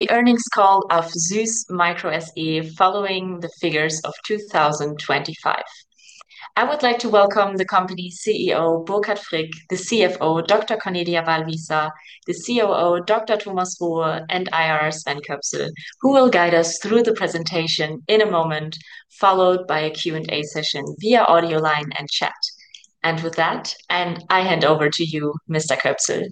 The earnings call of SÜSS MicroTec SE following the figures of 2025. I would like to welcome the company CEO, Burkhardt Frick, the CFO, Dr. Cornelia Ballwießer, the COO, Dr. Thomas Rohe, and IR Sven Köpsel, who will guide us through the presentation in a moment, followed by a Q&A session via audio line and chat. With that, I hand over to you, Mr. Köpsel.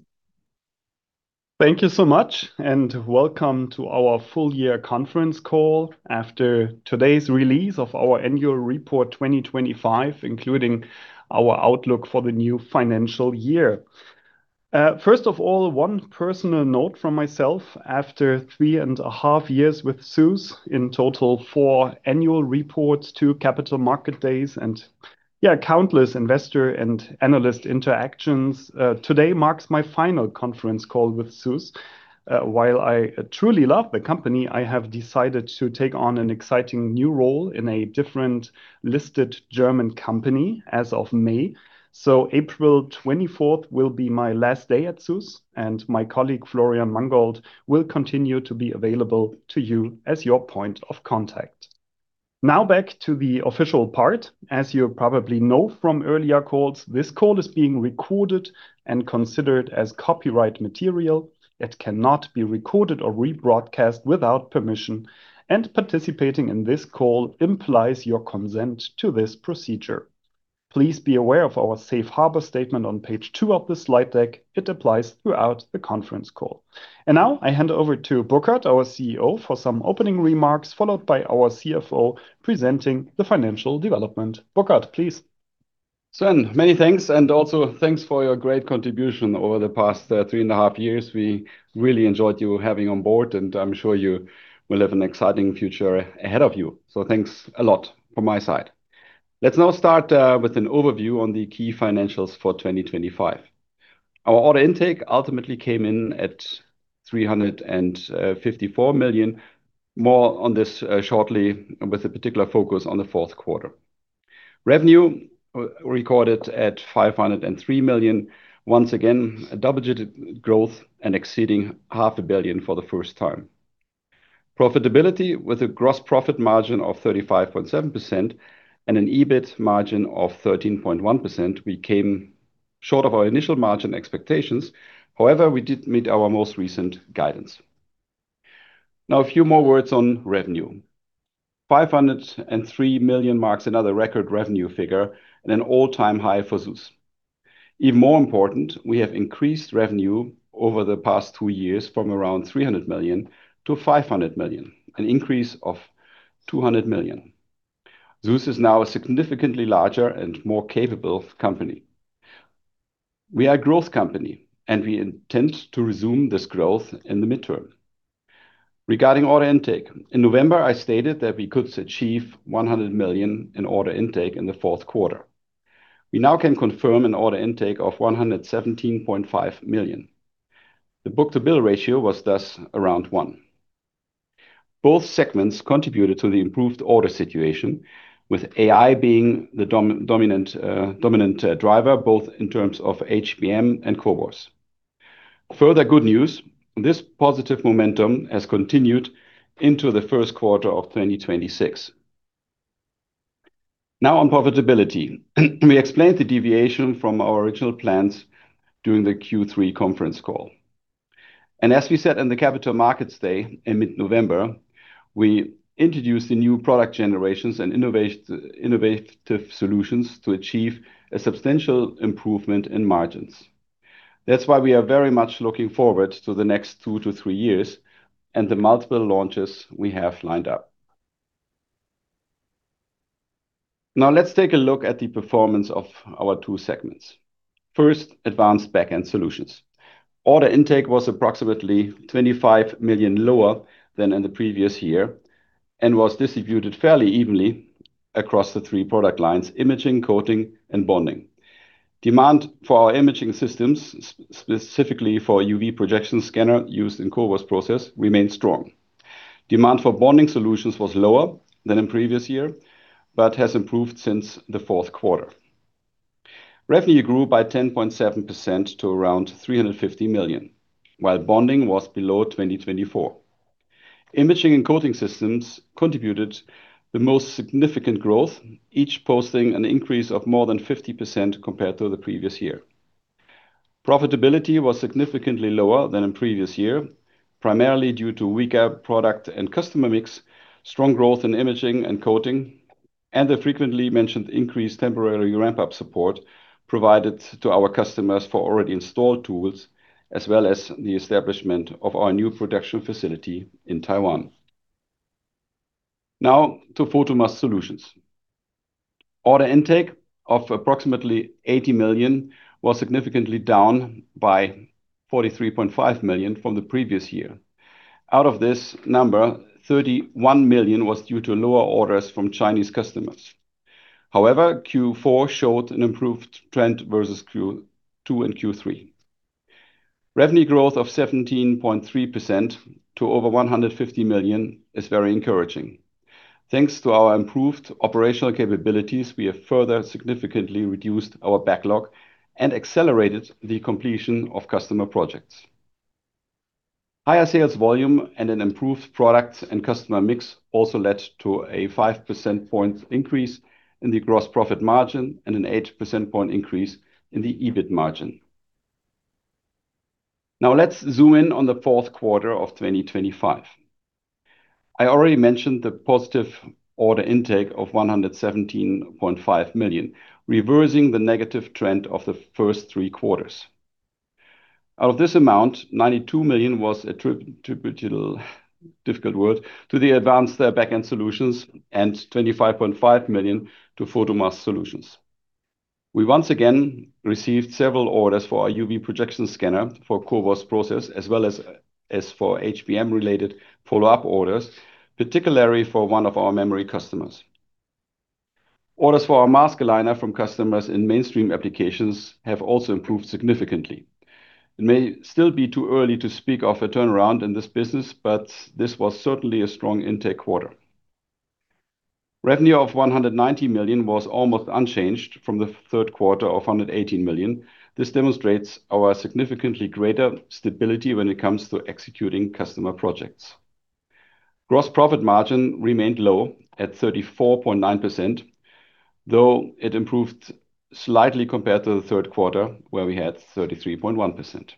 Thank you so much, and welcome to our full-year conference call after today's release of our annual report 2025, including our outlook for the new financial year. First of all, one personal note from myself. After three and a half years with SÜSS, in total, four annual reports, two Capital Market Days, and countless investor and analyst interactions, today marks my final conference call with SÜSS. While I truly love the company, I have decided to take on an exciting new role in a different listed German company as of May. April 24th will be my last day at SÜSS, and my colleague, Florian Mangold, will continue to be available to you as your point of contact. Now back to the official part. As you probably know from earlier calls, this call is being recorded and considered as copyright material. It cannot be recorded or rebroadcast without permission. Participating in this call implies your consent to this procedure. Please be aware of our safe harbor statement on page two of the slide deck. It applies throughout the conference call. Now I hand over to Burkhardt, our CEO, for some opening remarks, followed by our CFO presenting the financial development. Burkhardt, please. Sven, many thanks, and also thanks for your great contribution over the past three and a half years. We really enjoyed having you on board, and I'm sure you will have an exciting future ahead of you. Thanks a lot from my side. Let's now start with an overview on the key financials for 2025. Our order intake ultimately came in at 354 million. More on this shortly, with a particular focus on the fourth quarter. Revenue recorded at 503 million. Once again, a double-digit growth and exceeding 500 million for the first time. Profitability with a gross profit margin of 35.7% and an EBIT margin of 13.1%, we came short of our initial margin expectations. However, we did meet our most recent guidance. Now, a few more words on revenue. 503 million marks another record revenue figure and an all-time high for SÜSS. Even more important, we have increased revenue over the past two years from around 300 million to 500 million, an increase of 200 million. SÜSS is now a significantly larger and more capable company. We are a growth company, and we intend to resume this growth in the midterm. Regarding order intake, in November, I stated that we could achieve 100 million in order intake in the fourth quarter. We now can confirm an order intake of 117.5 million. The book-to-bill ratio was thus around 1. Both segments contributed to the improved order situation, with AI being the dominant driver, both in terms of HBM and CoWoS. Further good news, this positive momentum has continued into the first quarter of 2026. Now on profitability. We explained the deviation from our original plans during the Q3 conference call. As we said in the Capital Markets Day in mid-November, we introduced the new product generations and innovative solutions to achieve a substantial improvement in margins. That's why we are very much looking forward to the next two to three years and the multiple launches we have lined up. Now let's take a look at the performance of our two segments. First, Advanced Backend Solutions. Order intake was approximately 25 million lower than in the previous year and was distributed fairly evenly across the three product lines: imaging, coating, and bonding. Demand for our imaging systems, specifically for UV projection scanner used in CoWoS process, remained strong. Demand for bonding solutions was lower than in the previous year, but has improved since the fourth quarter. Revenue grew by 10.7% to around 350 million, while bonding was below 2024. Imaging and coating Systems contributed the most significant growth, each posting an increase of more than 50% compared to the previous year. Profitability was significantly lower than in previous year, primarily due to weaker product and customer mix, strong growth in imaging and coating, and the frequently mentioned increased temporary ramp-up support provided to our customers for already installed tools, as well as the establishment of our new production facility in Taiwan. Now to Photomask Solutions. Order intake of approximately 80 million was significantly down by 43.5 million from the previous year. Out of this number, 31 million was due to lower orders from Chinese customers. However, Q4 showed an improved trend versus Q2 and Q3. Revenue growth of 17.3% to over 150 million is very encouraging. Thanks to our improved operational capabilities, we have further significantly reduced our backlog and accelerated the completion of customer projects. Higher sales volume and an improved product and customer mix also led to a 5 percentage point increase in the gross profit margin and an 8 percent point increase in the EBIT margin. Now let's zoom in on the fourth quarter of 2025. I already mentioned the positive order intake of 117.5 million, reversing the negative trend of the first three quarters. Out of this amount, 92 million was attributable to Advanced Backend Solutions and 25.5 million to Photomask Solutions. We once again received several orders for our UV projection scanner for CoWoS process as well as for HBM-related follow-up orders, particularly for one of our memory customers. Orders for our Mask Aligner from customers in mainstream applications have also improved significantly. It may still be too early to speak of a turnaround in this business, but this was certainly a strong intake quarter. Revenue of 190 million was almost unchanged from the third quarter of 118 million. This demonstrates our significantly greater stability when it comes to executing customer projects. Gross profit margin remained low at 34.9%, though it improved slightly compared to the third quarter, where we had 33.1%.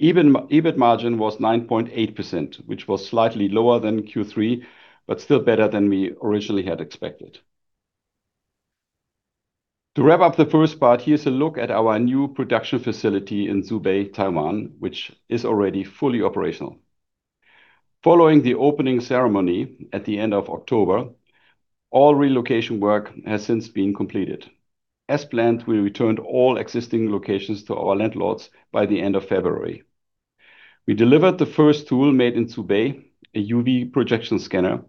EBIT margin was 9.8%, which was slightly lower than Q3, but still better than we originally had expected. To wrap up the first part, here's a look at our new production facility in Zhubei, Taiwan, which is already fully operational. Following the opening ceremony at the end of October, all relocation work has since been completed. As planned, we returned all existing locations to our landlords by the end of February. We delivered the first tool made in Zhubei, a UV projection scanner,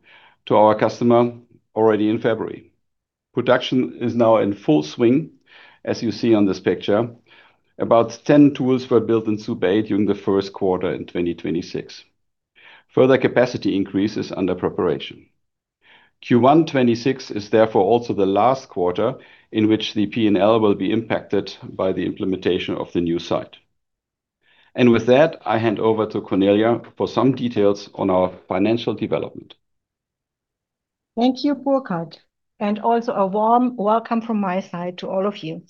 to our customer already in February. Production is now in full swing, as you see on this picture. About 10 tools were built in Zhubei during the first quarter in 2026. Further capacity increase is under preparation. Q1 2026 is therefore also the last quarter in which the P&L will be impacted by the implementation of the new site. With that, I hand over to Cornelia for some details on our financial development. Thank you, Burkhardt, and also a warm welcome from my side to all of you.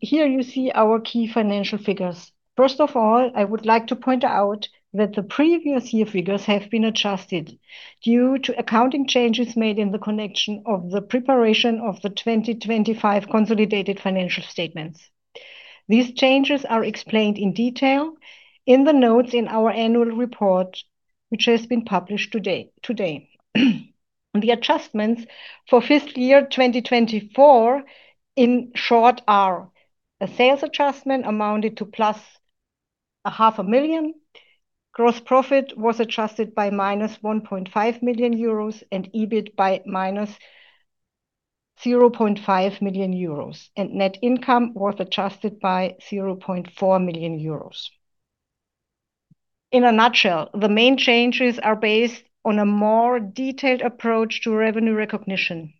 Here you see our key financial figures. First of all, I would like to point out that the previous year figures have been adjusted due to accounting changes made in the connection of the preparation of the 2025 consolidated financial statements. These changes are explained in detail in the notes in our annual report, which has been published today. The adjustments for fiscal year 2024, in short, are a sales adjustment amounted to +500,000. Gross profit was adjusted by -1.5 million euros and EBIT by -0.5 million euros, and net income was adjusted by 0.4 million euros. In a nutshell, the main changes are based on a more detailed approach to revenue recognition.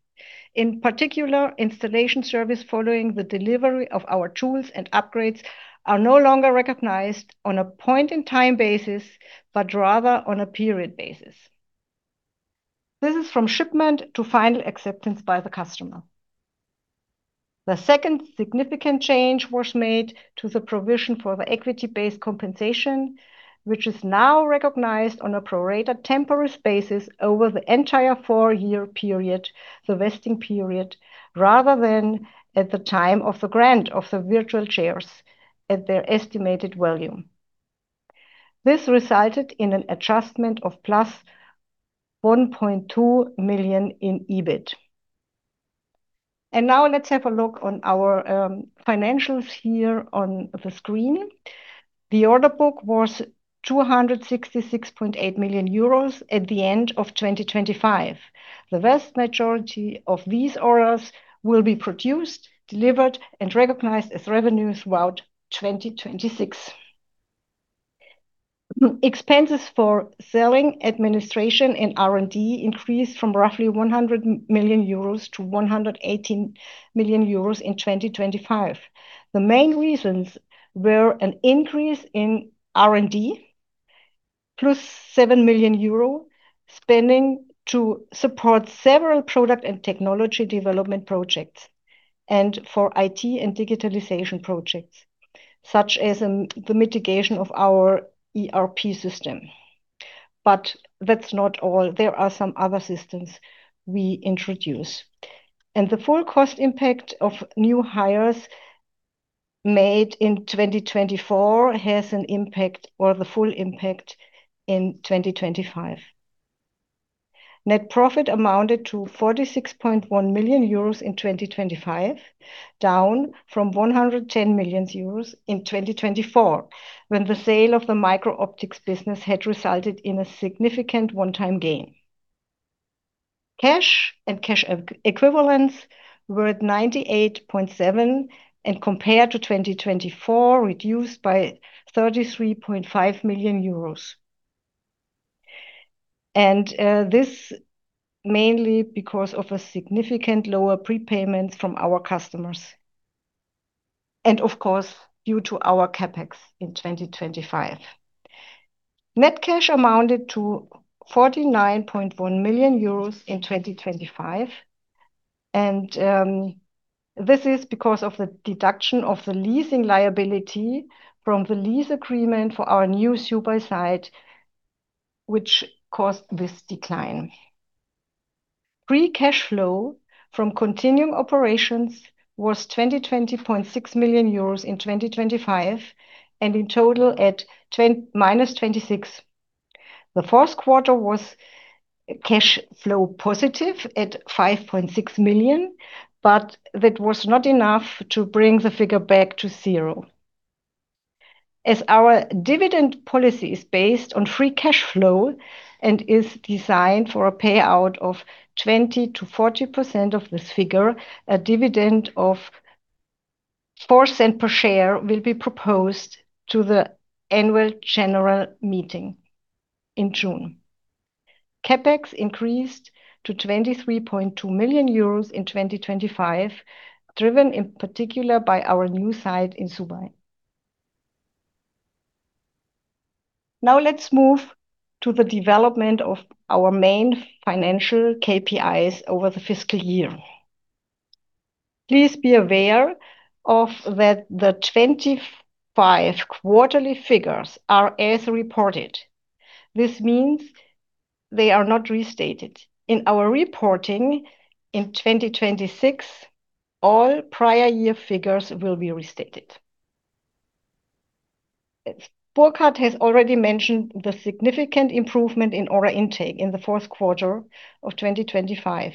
In particular, installation service following the delivery of our tools and upgrades are no longer recognized on a point-in-time basis, but rather on a period basis. This is from shipment to final acceptance by the customer. The second significant change was made to the provision for the equity-based compensation, which is now recognized on a prorated temporary basis over the entire four-year period, the vesting period, rather than at the time of the grant of the virtual shares at their estimated value. This resulted in an adjustment of +1.2 million in EBIT. Now let's have a look on our financials here on the screen. The order book was 266.8 million euros at the end of 2025. The vast majority of these orders will be produced, delivered, and recognized as revenue throughout 2026. Expenses for selling, administration, and R&D increased from roughly 100 million euros to 118 million euros in 2025. The main reasons were an increase in R&D, +7 million euro spending to support several product and technology development projects and for IT and digitalization projects, such as the migration of our ERP system. That's not all. There are some other systems we introduce. The full cost impact of new hires made in 2024 has an impact or the full impact in 2025. Net profit amounted to 46.1 million euros in 2025, down from 110 million euros in 2024, when the sale of the MicroOptics business had resulted in a significant one-time gain. Cash and cash equivalents were at 98.7 million, and compared to 2024, reduced by 33.5 million euros. This mainly because of significantly lower prepayments from our customers, and of course, due to our CapEx in 2025. Net cash amounted to 49.1 million euros in 2025, and this is because of the deduction of the leasing liability from the lease agreement for our new Zhubei site which caused this decline. Free cash flow from continuing operations was 20.6 million euros in 2025, and in total -26 million. The fourth quarter was cash flow positive at 5.6 million, but that was not enough to bring the figure back to zero. As our dividend policy is based on free cash flow and is designed for a payout of 20%-40% of this figure, a dividend of 0.04 per share will be proposed to the Annual General Meeting in June. CapEx increased to 23.2 million euros in 2025, driven in particular by our new site in Zhubei. Now let's move to the development of our main financial KPIs over the fiscal year. Please be aware that the 2025 quarterly figures are as reported. This means they are not restated. In our reporting in 2026, all prior year figures will be restated. Burkhardt has already mentioned the significant improvement in order intake in the fourth quarter of 2025.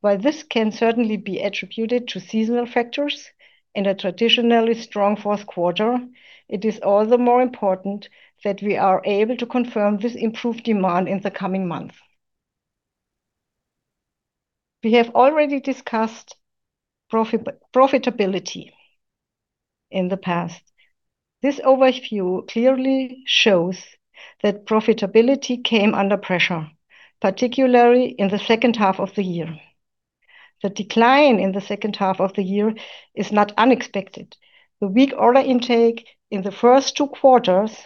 While this can certainly be attributed to seasonal factors in a traditionally strong fourth quarter, it is all the more important that we are able to confirm this improved demand in the coming months. We have already discussed profitability in the past. This overview clearly shows that profitability came under pressure, particularly in the second half of the year. The decline in the second half of the year is not unexpected. The weak order intake in the first two quarters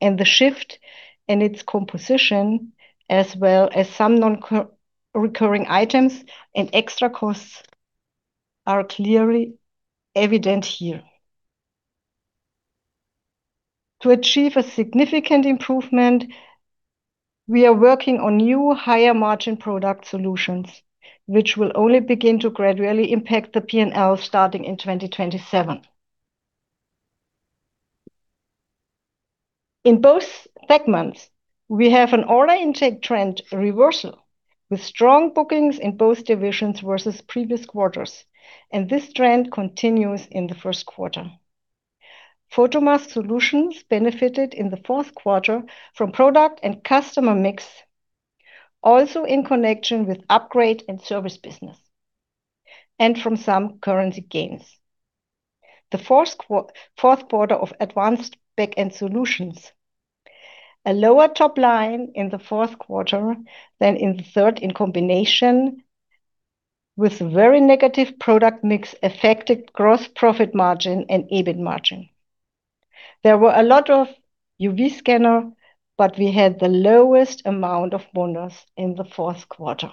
and the shift in its composition, as well as some non-recurring items and extra costs, are clearly evident here. To achieve a significant improvement, we are working on new, higher-margin product solutions, which will only begin to gradually impact the P&L starting in 2027. In both segments, we have an order intake trend reversal, with strong bookings in both divisions versus previous quarters, and this trend continues in the first quarter. Photomask Solutions benefited in the fourth quarter from product and customer mix, also in connection with upgrade and service business, and from some currency gains. The fourth quarter of Advanced Backend Solutions, a lower top line in the fourth quarter than in the third, in combination with very negative product mix affected gross profit margin and EBIT margin. There were a lot of UV scanners, but we had the lowest amount of business in the fourth quarter.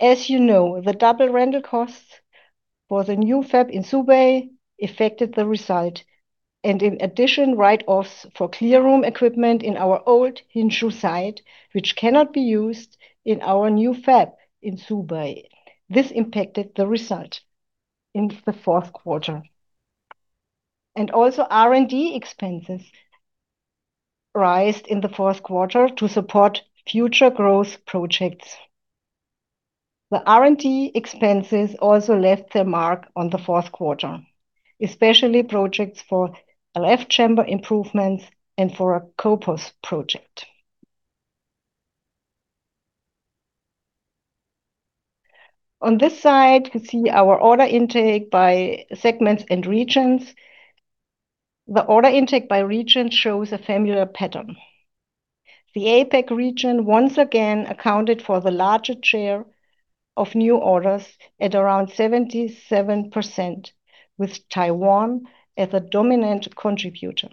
As you know, the double rental costs for the new fab in Zhubei affected the result, and in addition, write-offs for cleanroom equipment in our old Hsinchu site, which cannot be used in our new fab in Zhubei. This impacted the result in the fourth quarter. Also, R&D expenses rose in the fourth quarter to support future growth projects. The R&D expenses also left their mark on the fourth quarter, especially projects for LF chamber improvements and for a CoPoS project. On this side, you can see our order intake by segments and regions. The order intake by region shows a familiar pattern. The APAC region once again accounted for the larger share of new orders at around 77%, with Taiwan as a dominant contributor.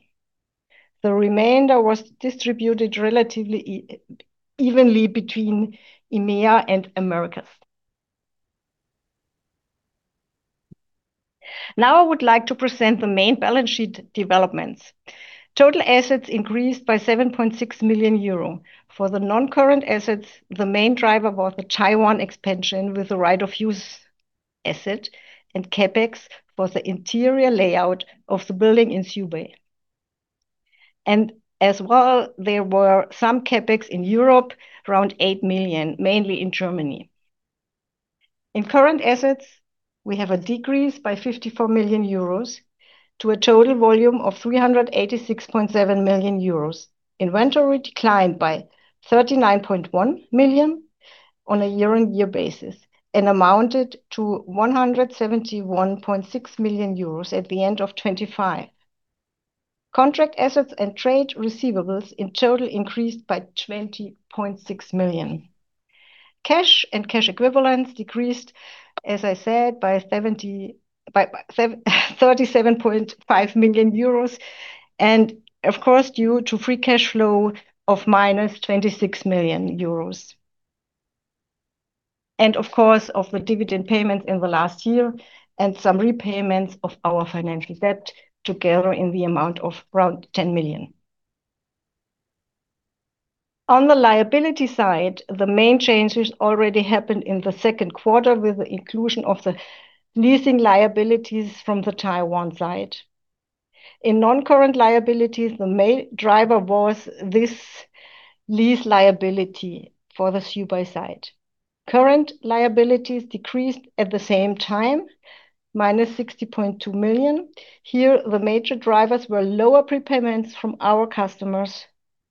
The remainder was distributed relatively evenly between EMEA and Americas. Now I would like to present the main balance sheet developments. Total assets increased by 7.6 million euro. For the non-current assets, the main driver was the Taiwan expansion with the right-of-use asset and CapEx for the interior layout of the building in Zhubei. As well, there were some CapEx in Europe, around 8 million, mainly in Germany. In current assets, we have a decrease by 54 million euros to a total volume of 386.7 million euros. Inventory declined by 39.1 million on a year-on-year basis and amounted to 171.6 million euros at the end of 2025. Contract assets and trade receivables in total increased by 20.6 million. Cash and cash equivalents decreased, as I said, by 37.5 million euros and, of course, due to free cash flow of -26 million euros. Of course, of the dividend payments in the last year and some repayments of our financial debt together in the amount of around 10 million. On the liability side, the main changes already happened in the second quarter with the inclusion of the leasing liabilities from the Taiwan side. In non-current liabilities, the main driver was this lease liability for the Zhubei side. Current liabilities decreased at the same time, -60.2 million. Here, the major drivers were lower prepayments from our customers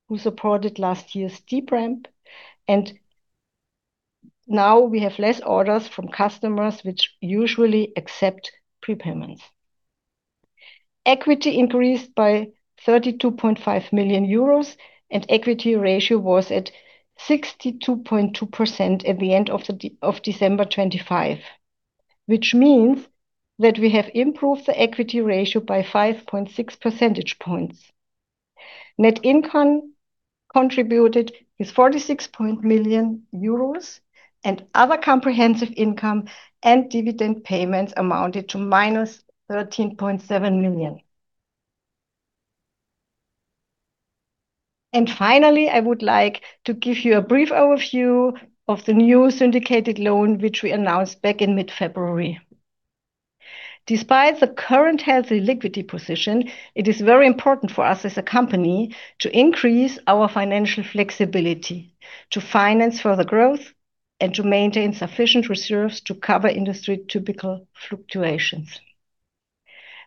who supported last year's deep ramp, and now we have less orders from customers which usually accept prepayments. Equity increased by 32.5 million euros, and equity ratio was at 62.2% at the end of December 2025, which means that we have improved the equity ratio by 5.6 percentage points. Net income contributed is 46 million euros, and other comprehensive income and dividend payments amounted to -13.7 million. Finally, I would like to give you a brief overview of the new syndicated loan, which we announced back in mid-February. Despite the current healthy liquidity position, it is very important for us as a company to increase our financial flexibility to finance further growth and to maintain sufficient reserves to cover industry typical fluctuations.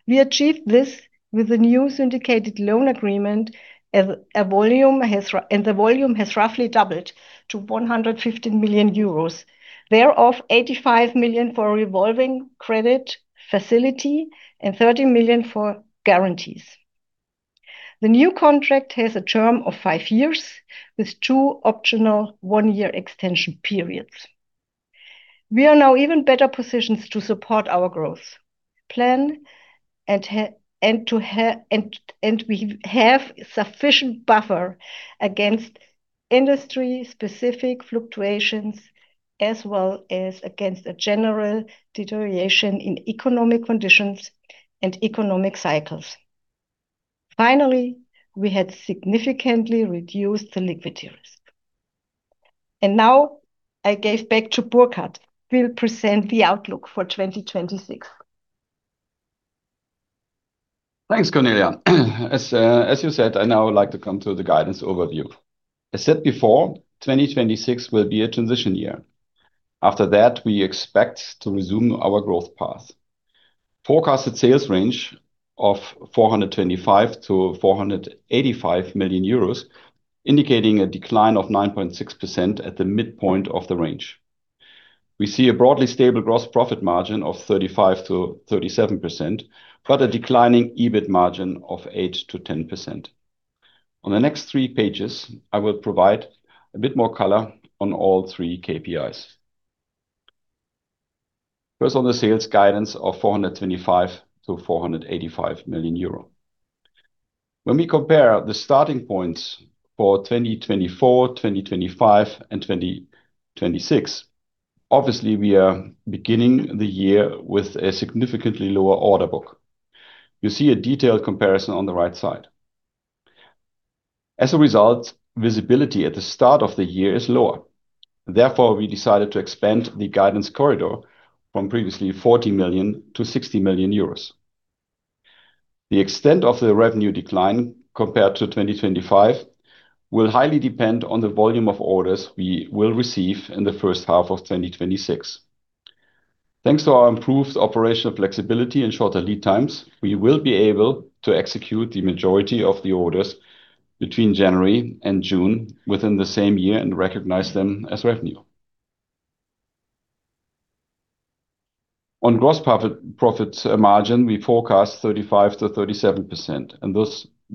We achieved this with a new syndicated loan agreement, and the volume has roughly doubled to 115 million euros, thereof 85 million for a revolving credit facility and 30 million for guarantees. The new contract has a term of five years with two optional one-year extension periods. We are now even better positioned to support our growth plan, and we have sufficient buffer against industry-specific fluctuations as well as against a general deterioration in economic conditions and economic cycles. Finally, we had significantly reduced the liquidity risk. Now I gave back to Burkhardt, who will present the outlook for 2026. Thanks, Cornelia. As you said, I now would like to come to the guidance overview. I said before, 2026 will be a transition year. After that, we expect to resume our growth path. Forecasted sales range of 425 million-485 million euros, indicating a decline of 9.6% at the midpoint of the range. We see a broadly stable gross profit margin of 35%-37%, but a declining EBIT margin of 8%-10%. On the next three pages, I will provide a bit more color on all three KPIs. First, on the sales guidance of 425 million-485 million euro. When we compare the starting points for 2024, 2025, and 2026, obviously, we are beginning the year with a significantly lower order book. You see a detailed comparison on the right side. As a result, visibility at the start of the year is lower. Therefore, we decided to expand the guidance corridor from previously 40 million to 60 million euros. The extent of the revenue decline compared to 2025 will highly depend on the volume of orders we will receive in the first half of 2026. Thanks to our improved operational flexibility and shorter lead times, we will be able to execute the majority of the orders between January and June within the same year and recognize them as revenue. On gross profit margin, we forecast 35%-37%, and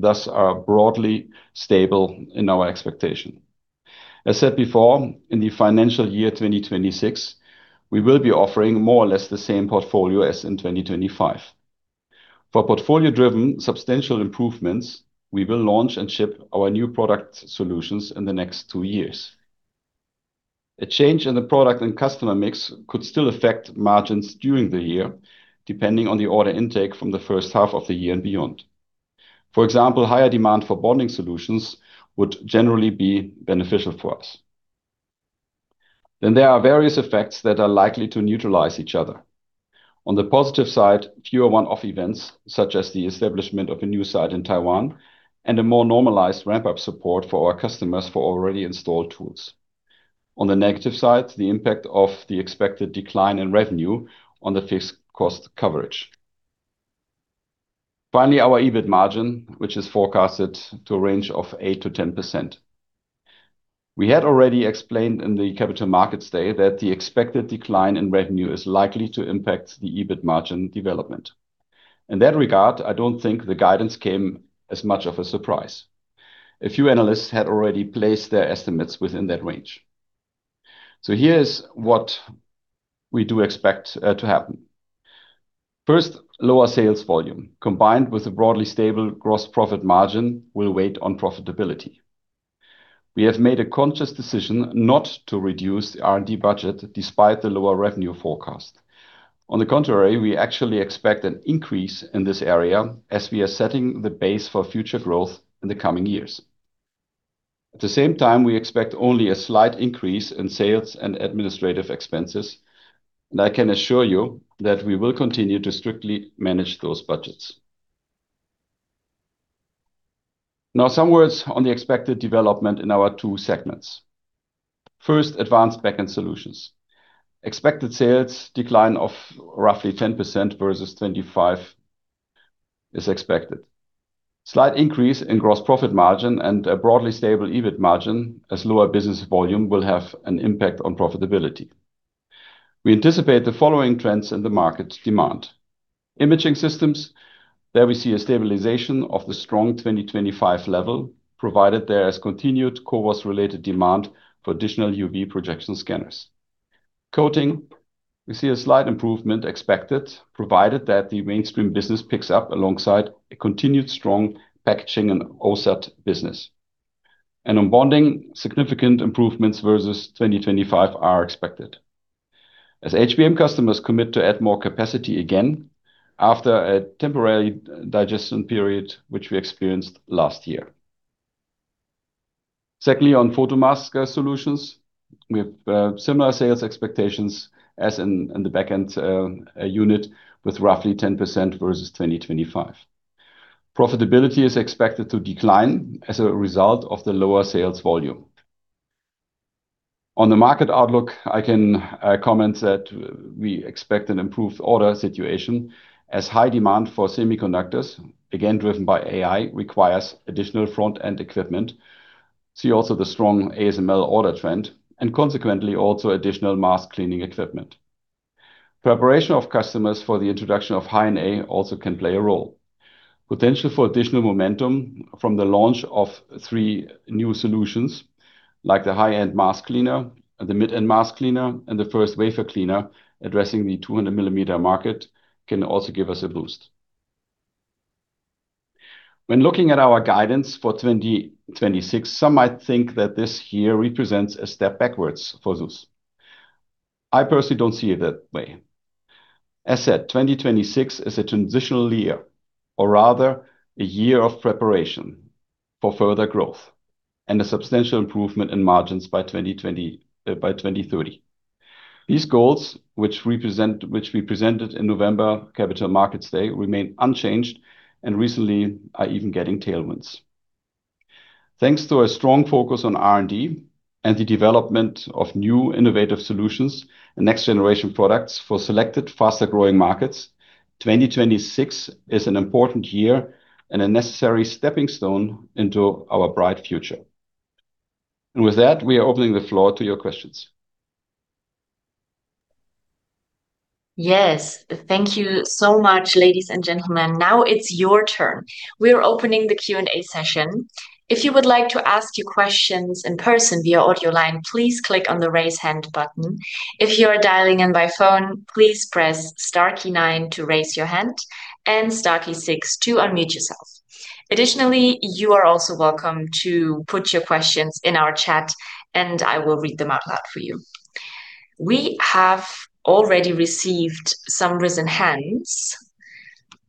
thus are broadly stable in our expectation. As said before, in the financial year 2026, we will be offering more or less the same portfolio as in 2025. For portfolio-driven substantial improvements, we will launch and ship our new product solutions in the next two years. A change in the product and customer mix could still affect margins during the year, depending on the order intake from the first half of the year and beyond. For example, higher demand for bonding solutions would generally be beneficial for us. There are various effects that are likely to neutralize each other. On the positive side, fewer one-off events, such as the establishment of a new site in Taiwan, and a more normalized ramp-up support for our customers for already installed tools. On the negative side, the impact of the expected decline in revenue on the fixed cost coverage. Finally, our EBIT margin, which is forecasted to a range of 8%-10%. We had already explained in the Capital Markets Day that the expected decline in revenue is likely to impact the EBIT margin development. In that regard, I don't think the guidance came as much of a surprise. A few analysts had already placed their estimates within that range. Here's what we do expect to happen. First, lower sales volume, combined with a broadly stable gross profit margin, will weigh on profitability. We have made a conscious decision not to reduce the R&D budget despite the lower revenue forecast. On the contrary, we actually expect an increase in this area as we are setting the base for future growth in the coming years. At the same time, we expect only a slight increase in sales and administrative expenses, and I can assure you that we will continue to strictly manage those budgets. Now, some words on the expected development in our two segments. First, Advanced Backend Solutions. Expected sales decline of roughly 10% versus 2025 is expected. Slight increase in gross profit margin and a broadly stable EBIT margin, as lower business volume will have an impact on profitability. We anticipate the following trends in the market demand. Imaging systems, there we see a stabilization of the strong 2025 level, provided there is continued CoWoS-related demand for additional UV projection scanners. Coating, we see a slight improvement expected, provided that the mainstream business picks up alongside a continued strong packaging and OSAT business. On bonding, significant improvements versus 2025 are expected as HBM customers commit to add more capacity again after a temporary digestion period which we experienced last year. Secondly, on Photomask Solutions, we have similar sales expectations as in the back-end unit with roughly 10% versus 2025. Profitability is expected to decline as a result of the lower sales volume. On the market outlook, I can comment that we expect an improved order situation as high demand for semiconductors, again driven by AI, requires additional front-end equipment. See also the strong ASML order trend, and consequently, also additional mask cleaning equipment. Preparation of customers for the introduction of High-NA also can play a role. Potential for additional momentum from the launch of three new solutions, like the high-end mask cleaner, the mid-end mask cleaner, and the first wafer cleaner addressing the 200 mm market, can also give us a boost. When looking at our guidance for 2026, some might think that this year represents a step backwards for SÜSS. I personally don't see it that way. As said, 2026 is a transitional year, or rather a year of preparation for further growth and a substantial improvement in margins by 2030. These goals, which we presented in November Capital Markets Day, remain unchanged and recently are even getting tailwinds. Thanks to a strong focus on R&D and the development of new innovative solutions and next-generation products for selected faster-growing markets, 2026 is an important year and a necessary stepping stone into our bright future. With that, we are opening the floor to your questions. Yes. Thank you so much, ladies and gentlemen. Now it's your turn. We are opening the Q&A session. If you would like to ask your questions in person via audio line, please click on the Raise Hand button. If you are dialing in by phone, please press star key nine to raise your hand and star key six to unmute yourself. Additionally, you are also welcome to put your questions in our chat, and I will read them out loud for you. We have already received some raised hands.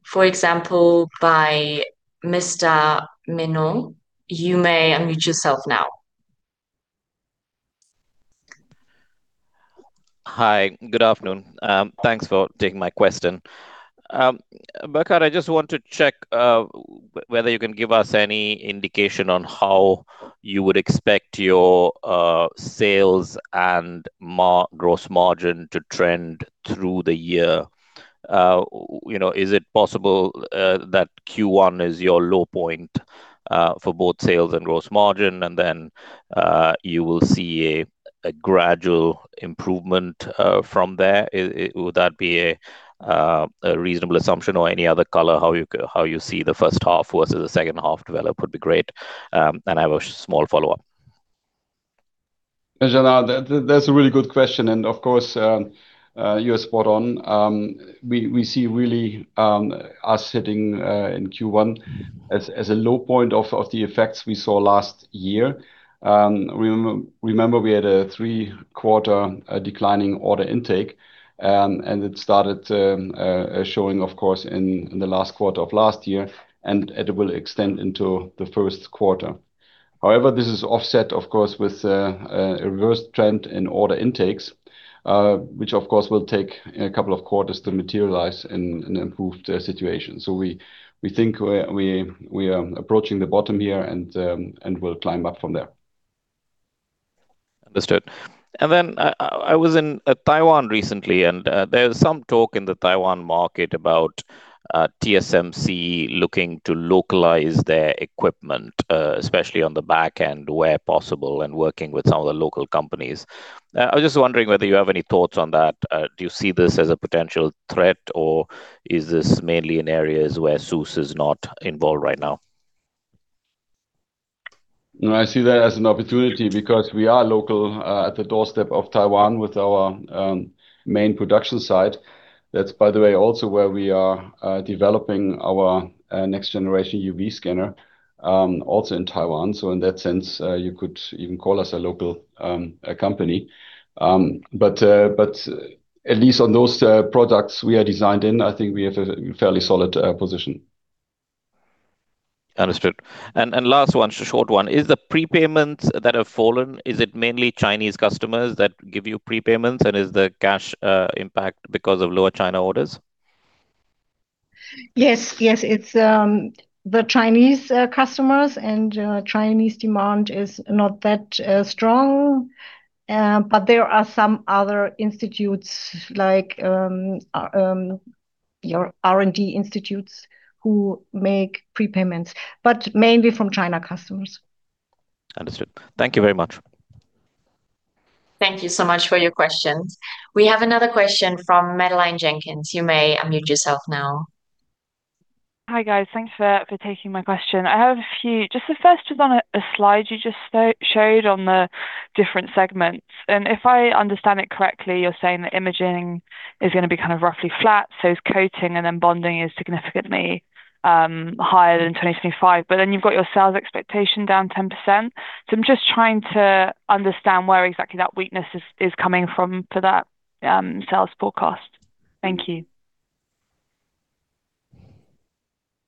For example, by Mr. Menon. You may unmute yourself now. Hi. Good afternoon. Thanks for taking my question. Burkhardt, I just want to check whether you can give us any indication on how you would expect your sales and gross margin to trend through the year. You know, is it possible that Q1 is your low point for both sales and gross margin, and then you will see a gradual improvement from there? Would that be a reasonable assumption, or any other color how you see the first half versus the second half develop would be great. I have a small follow-up. Janardan, that's a really good question. Of course, you're spot on. We see really us hitting in Q1 as a low point of the effects we saw last year. Remember, we had a three-quarter declining order intake, and it started showing, of course, in the last quarter of last year, and it will extend into the first quarter. However, this is offset, of course, with a reverse trend in order intakes, which, of course, will take a couple of quarters to materialize in an improved situation. We think we are approaching the bottom here, and we'll climb up from there. Understood. I was in Taiwan recently, and there's some talk in the Taiwan market about TSMC looking to localize their equipment, especially on the back end where possible and working with some of the local companies. I was just wondering whether you have any thoughts on that. Do you see this as a potential threat, or is this mainly in areas where SÜSS is not involved right now? No, I see that as an opportunity because we are local, at the doorstep of Taiwan with our main production site. That's by the way, also where we are developing our next generation UV scanner, also in Taiwan. In that sense, you could even call us a local company. At least on those products we are designed in, I think we have a fairly solid position. Understood. Last one, a short one, is the prepayments that have fallen. Is it mainly Chinese customers that give you prepayments, and is the cash impact because of lower China orders? Yes. It's the Chinese customers and Chinese demand is not that strong. But there are some other institutes like your R&D institutes who make prepayments, but mainly from China customers. Understood. Thank you very much. Thank you so much for your questions. We have another question from Madeleine Jenkins. You may unmute yourself now. Hi, guys. Thanks for taking my question. I have a few. Just the first is on a slide you just showed on the different segments. If I understand it correctly, you're saying that imaging is gonna be kind of roughly flat, so is coating, and then bonding is significantly higher than 2025. Then you've got your sales expectation down 10%. I'm just trying to understand where exactly that weakness is coming from for that sales forecast. Thank you.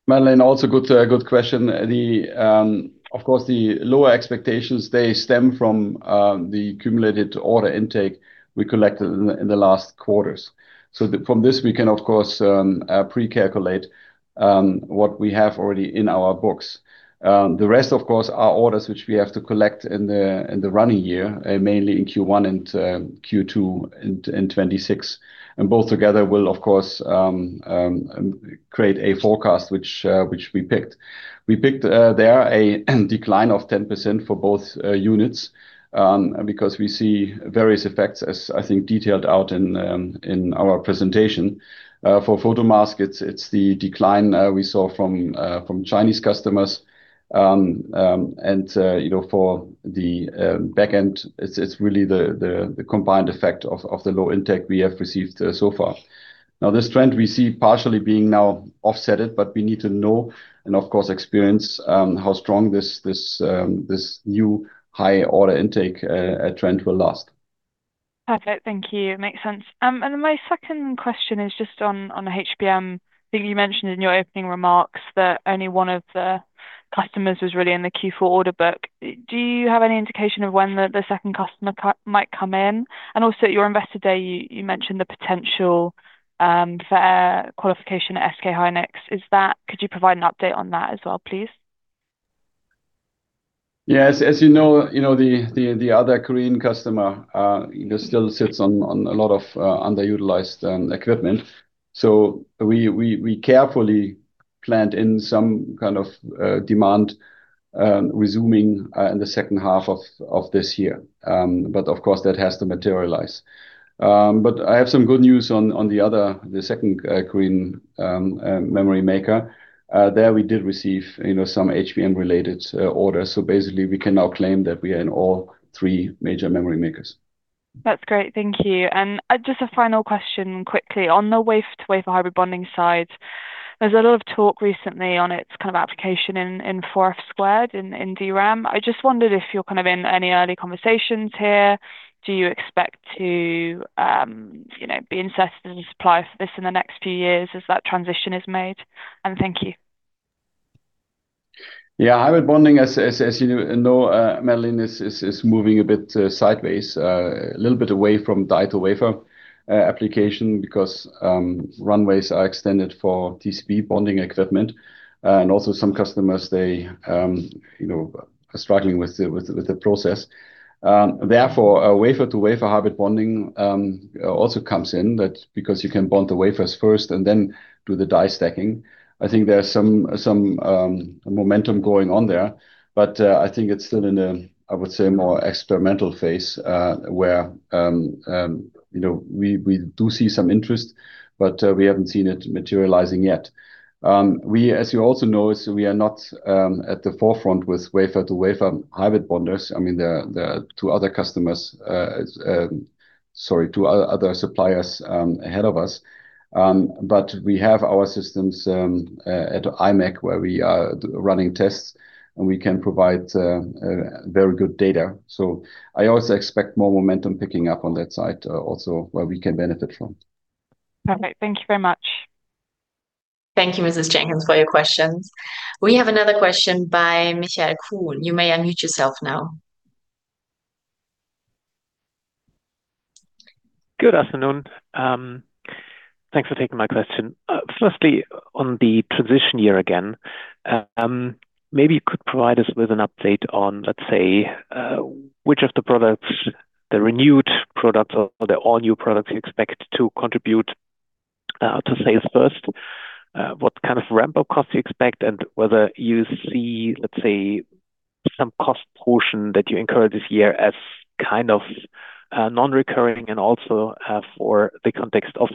Madeleine, good question. Of course, the lower expectations stem from the accumulated order intake we collected in the last quarters. From this, we can of course pre-calculate what we have already in our books. The rest, of course, are orders which we have to collect in the running year, mainly in Q1 and Q2 in 2026. Both together will, of course, create a forecast which we picked. We picked a decline of 10% for both units because we see various effects, as I think detailed out in our presentation. For Photomask, it's the decline we saw from Chinese customers. You know, for the backend, it's really the combined effect of the low intake we have received so far. Now this trend we see partially being now offset, but we need to know and of course experience how strong this new high-order intake trend will last. Perfect. Thank you. Makes sense. My second question is just on the HBM. I think you mentioned in your opening remarks that only one of the customers was really in the Q4 order book. Do you have any indication of when the second customer might come in? And also at your Investor Day, you mentioned the potential for qualification at SK hynix. Could you provide an update on that as well, please? Yes. As you know, the other Korean customer, you know, still sits on a lot of underutilized equipment. We carefully planned in some kind of demand resuming in the second half of this year. But of course, that has to materialize. But I have some good news on the other, the second Korean memory maker. There, we did receive, you know, some HBM-related orders. Basically, we can now claim that we are in all three major memory makers. That's great. Thank you. Just a final question quickly. On the wafer-to-wafer hybrid bonding side, there's a lot of talk recently on its kind of application in 4F² in DRAM. I just wondered if you're kind of in any early conversations here. Do you expect to, you know, be inserted in supply for this in the next few years as that transition is made? Thank you. Yeah. Hybrid bonding, as you know, Madeleine, is moving a bit sideways, a little bit away from die-to-wafer application because runways are extended for TCB bonding equipment. Also some customers, they you know are struggling with the process. Therefore, a wafer-to-wafer hybrid bonding also comes in that because you can bond the wafers first and then do the die stacking. I think there are some momentum going on there, but I think it's still in a, I would say, more experimental phase, where you know we do see some interest, but we haven't seen it materializing yet. We, as you also know, so we are not at the forefront with wafer-to-wafer hybrid bonders. I mean, there are two other suppliers, sorry, but we have our systems at IMEC where we are running tests, and we can provide very good data. I also expect more momentum picking up on that side, also where we can benefit from. Perfect. Thank you very much. Thank you, Mrs. Jenkins, for your questions. We have another question by Michael Kuhn. You may unmute yourself now. Good afternoon. Thanks for taking my question. Firstly, on the transition year again, maybe you could provide us with an update on, let's say, which of the products, the renewed products or the all-new products you expect to contribute to sales first. What kind of ramp-up costs you expect, and whether you see, let's say, some cost portion that you incur this year as kind of non-recurring and also, for the context of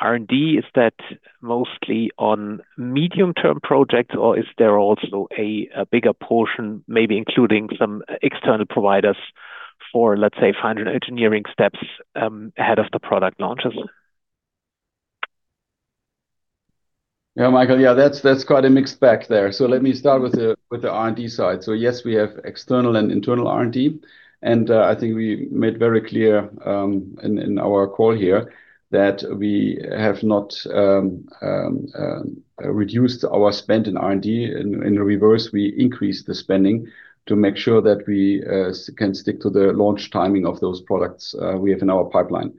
R&D. Is that mostly on medium-term projects, or is there also a bigger portion maybe including some external providers for, let's say, 500 engineering steps ahead of the product launches? Yeah, Michael. Yeah, that's quite a mixed bag there. Let me start with the R&D side. Yes, we have external and internal R&D, and I think we made very clear in our call here that we have not reduced our spend in R&D. In reverse, we increased the spending to make sure that we can stick to the launch timing of those products we have in our pipeline.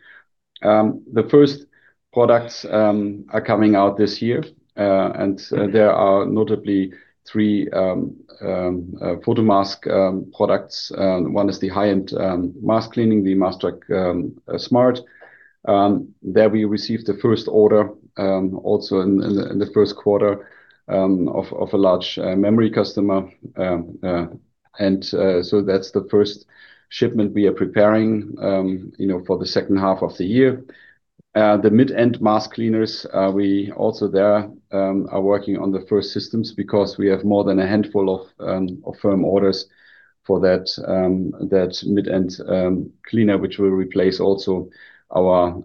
The first products are coming out this year. There are notably three Photomask products. One is the high-end mask cleaning, the MaskTrack Smart. There we received the first order also in the first quarter of a large memory customer. That's the first shipment we are preparing, you know, for the second half of the year. The mid-end mask cleaners, we are also working on the first systems because we have more than a handful of firm orders for that mid-end cleaner, which will replace also our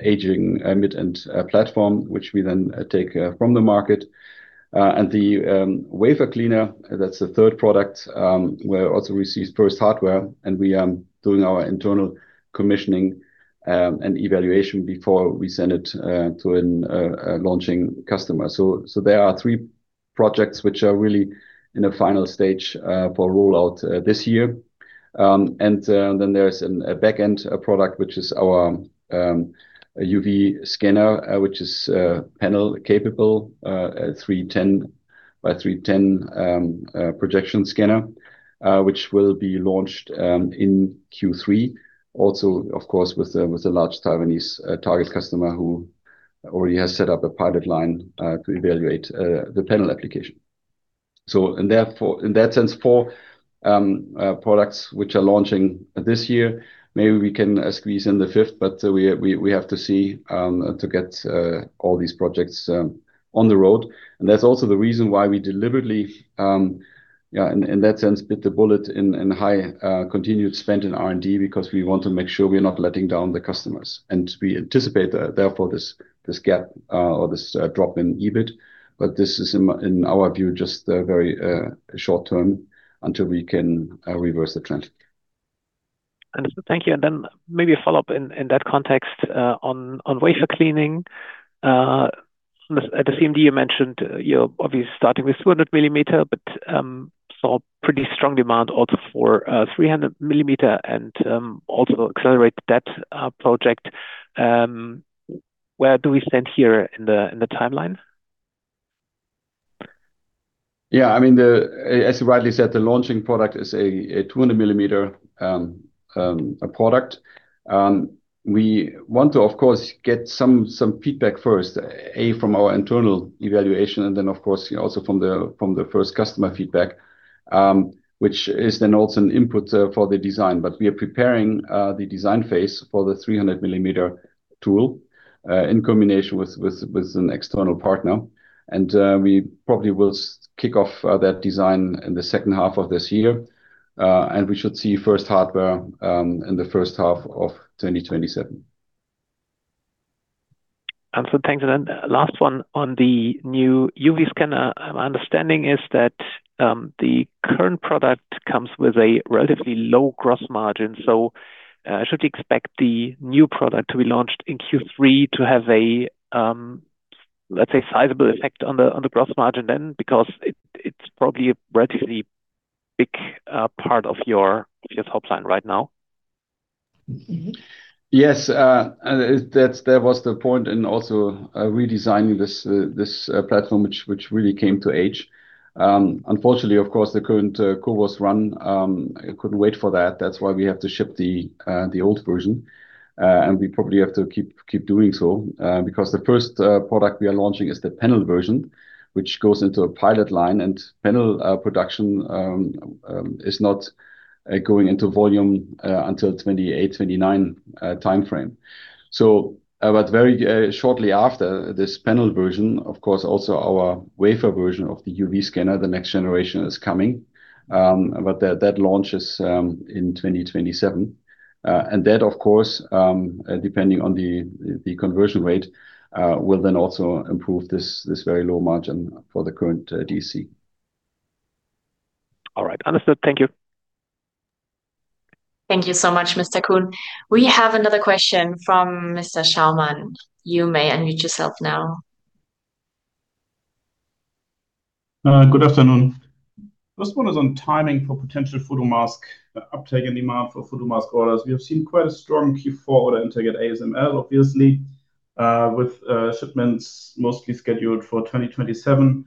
aging mid-end platform, which we then take from the market. The wafer cleaner, that's the third product, where we also received first hardware, and we are doing our internal commissioning and evaluation before we send it to a launching customer. There are three projects which are really in a final stage for rollout this year. There's a backend product, which is our UV scanner, which is panel capable, a 310 mm x 310 mm projection scanner, which will be launched in Q3. Also, of course, with a large Taiwanese target customer who already has set up a pilot line to evaluate the panel application. Therefore, in that sense, four products which are launching this year. Maybe we can squeeze in the fifth, but we have to see to get all these projects on the road. That's also the reason why we deliberately, in that sense, bit the bullet in high continued spend in R&D because we want to make sure we're not letting down the customers. We anticipate, therefore, this gap or this drop in EBIT, but this is, in our view, just very short-term until we can reverse the trend. Understood. Thank you. Then maybe a follow-up in that context on wafer cleaning. At the CMD, you mentioned you're obviously starting with 200 mm, but saw pretty strong demand also for 300 mm and also accelerated that project. Where do we stand here in the timeline? Yeah. I mean, as you rightly said, the launching product is a 200-mm product. We want to, of course, get some feedback first from our internal evaluation, and then, of course, you know, also from the first customer feedback, which is then also an input for the design. But we are preparing the design phase for the 300-mm tool in combination with an external partner. We probably will kick off that design in the second half of this year. We should see first hardware in the first half of 2027. Absolutely. Thanks. Last one on the new UV scanner. My understanding is that the current product comes with a relatively low gross margin. Should we expect the new product to be launched in Q3 to have a, let's say, sizable effect on the gross margin then? Because it's probably a relatively big part of your sales hotline right now. Yes. That was the point in also redesigning this platform, which really came of age. Unfortunately, of course, the current CoWoS run couldn't wait for that. That's why we have to ship the old version. We probably have to keep doing so because the first product we are launching is the panel version, which goes into a pilot line. Panel production is not going into volume until 2028, 2029 timeframe. Very shortly after this panel version, of course, also our wafer version of the UV scanner, the next generation is coming. That launches in 2027. That, of course, depending on the conversion rate, will then also improve this very low margin for the current DC. All right. Understood. Thank you. Thank you so much, Mr. Kuhn. We have another question from Mr. Schaumann. You may unmute yourself now. Good afternoon. First one is on timing for potential Photomask uptake and demand for Photomask orders. We have seen quite a strong Q4 order intake at ASML, obviously, with shipments mostly scheduled for 2027.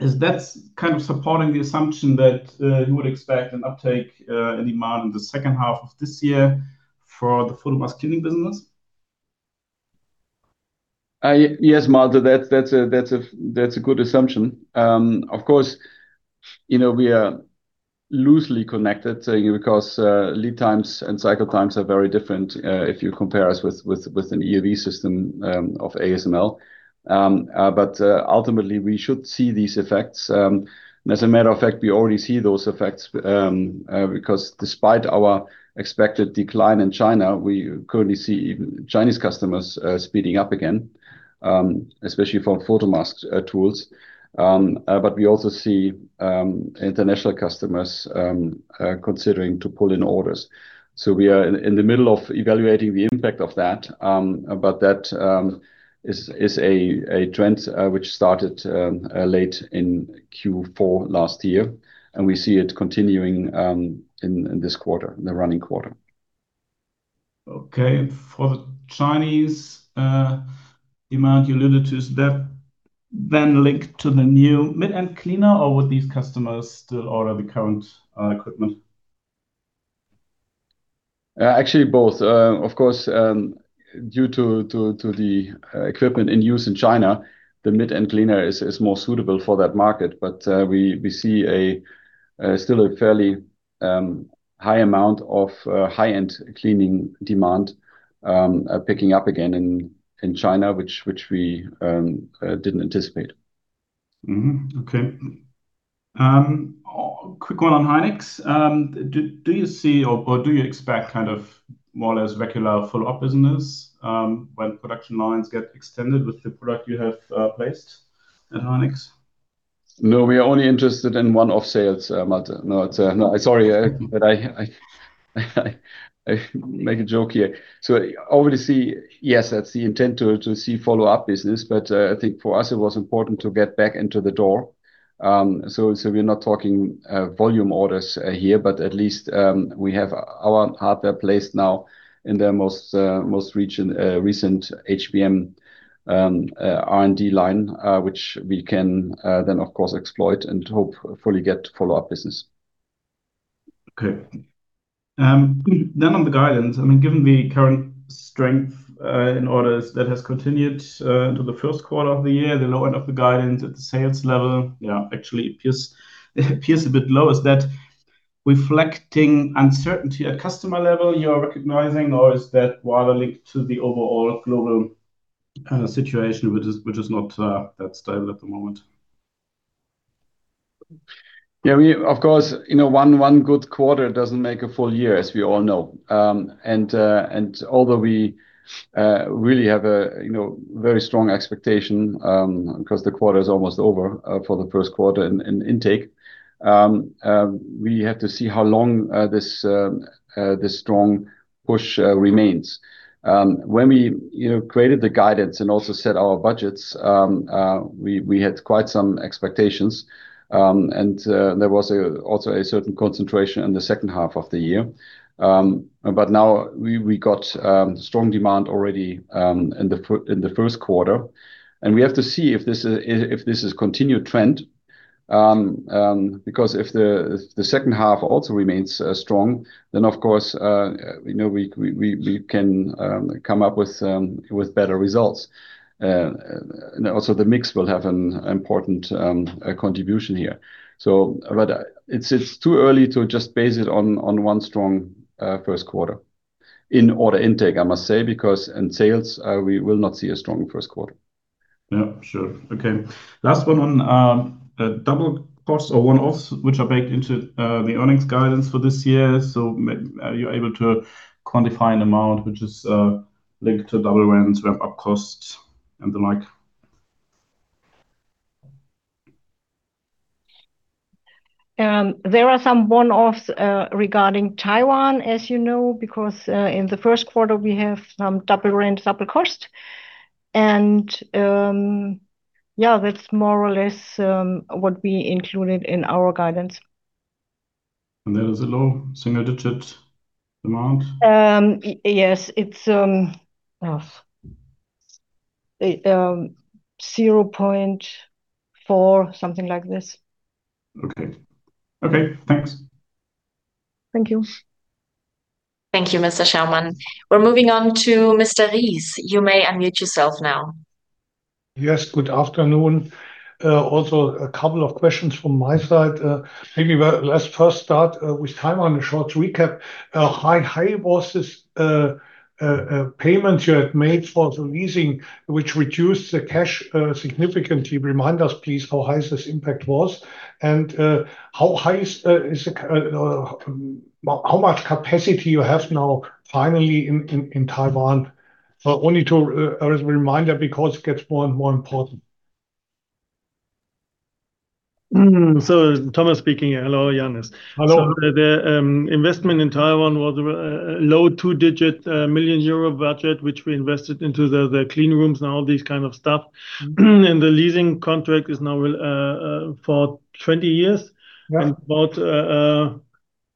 Is that kind of supporting the assumption that you would expect an uptake in demand in the second half of this year for the Photomask Cleaning business? Yes, Malte. That's a good assumption. Of course, you know, we are loosely connected because lead times and cycle times are very different if you compare us with an EUV system of ASML. Ultimately. We should see these effects. As a matter of fact, we already see those effects because despite our expected decline in China, we currently see Chinese customers speeding up again, especially for Photomask tools. We also see international customers considering to pull in orders. We are in the middle of evaluating the impact of that. That is a trend which started late in Q4 last year, and we see it continuing in this quarter, the running quarter. Okay. For the Chinese demand you alluded to, is that then linked to the new mid-end cleaner, or would these customers still order the current equipment? Actually both. Of course, due to the equipment in use in China, the mid-end cleaner is more suitable for that market. We still see a fairly high amount of high-end cleaning demand picking up again in China, which we didn't anticipate. Okay. Quick one on hynix. Do you see or do you expect kind of more or less regular follow-up business when production lines get extended with the product you have placed at hynix? No, we are only interested in one-off sales, Malte. No, it's no, sorry, but I make a joke here. Obviously, yes, that's the intent to see follow-up business. I think for us it was important to get back into the door. We're not talking volume orders here, but at least we have our hardware placed now in their most recent HBM R&D line, which we can then, of course, exploit and hopefully get follow-up business. Okay. On the guidance, I mean, given the current strength in orders that has continued into the first quarter of the year, the low end of the guidance at the sales level, yeah, actually appears a bit low. Is that reflecting uncertainty at customer level you're recognizing, or is that more linked to the overall global situation which is not that stable at the moment? Yeah, we of course, you know, one good quarter doesn't make a full year, as we all know. Although we really have a you know very strong expectation because the quarter is almost over for the first quarter order intake, we have to see how long this strong push remains. When we you know created the guidance and also set our budgets we had quite some expectations. There was also a certain concentration in the second half of the year. Now we got strong demand already in the first quarter. We have to see if this is continued trend. Because if the second half also remains strong, then of course, you know, we can come up with better results. Also, the mix will have an important contribution here. It's too early to just base it on one strong first quarter in order intake, I must say, because in sales, we will not see a strong first quarter. Yeah, sure. Okay. Last one on double costs or one-offs which are baked into the earnings guidance for this year. Are you able to quantify an amount which is linked to double rent, ramp-up costs and the like? There are some one-offs regarding Taiwan, as you know, because in the first quarter, we have some double rent, double cost. Yeah, that's more or less what we included in our guidance. That is a low single-digit amount? Yes. It's, 0.4, something like this. Okay, thanks. Thank you. Thank you, Mr. Schaumann. We're moving on to Mr. Ries. You may unmute yourself now. Yes. Good afternoon. Also, a couple of questions from my side. Maybe let's first start with Taiwan. A short recap. How was this payment you had made for the leasing, which reduced the cash significantly? Remind us, please, how high this impact was. How much capacity you have now, finally in Taiwan? Only to, as a reminder, because it gets more and more important. Thomas speaking. Hello, Johannes. Hello. The investment in Taiwan was low two-digit million EUR budget, which we invested into the clean rooms and all this kind of stuff. The leasing contract is now for 20 years. Right. About